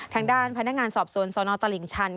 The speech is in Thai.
ทางด้านพนักงานสอบสวนสนตลิ่งชัน